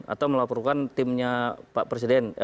atau melaporkan timnya pak presiden